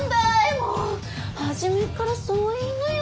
もう初めからそう言いなよ。